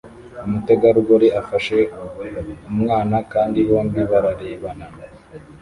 Umutegarugori afashe umwana kandi bombi bararebana